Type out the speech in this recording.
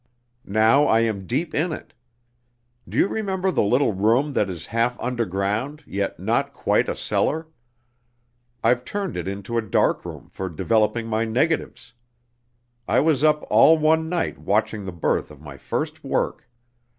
Now I am deep in it. Do you remember the little room that is half underground, yet not quite a cellar? I've turned it into a dark room for developing my negatives. I was up all one night watching the birth of my first work.